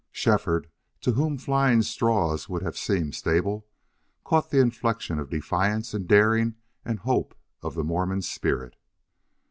Shefford, to whom flying straws would have seemed stable, caught the inflection of defiance and daring and hope of the Mormon's spirit.